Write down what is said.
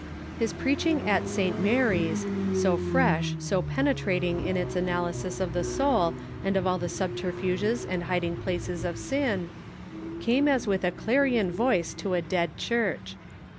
His preaching at St. Mary's — so fresh, so penetrating in its analy sis of the soul and of all the subterfuges and hiding places of sin — came as with a clarion voice to a dead Church.